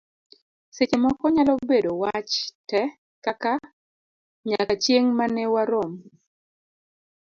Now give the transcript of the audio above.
seche moko nyalo bedo wach te, kaka; nyaka chieng' mane warom